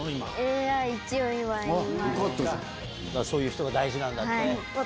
そういう人が大事なんだって。